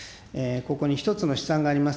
ここに一つの試算があります。